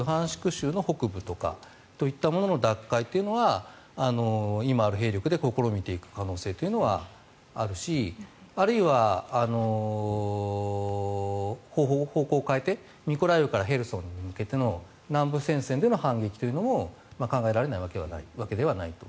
州の北部とかいったものの奪回というのは今ある兵力で試みていく可能性はあるしあるいは、方向を変えてミコライウからヘルソンに向けての南部戦線での反撃というのも考えられないわけではないと。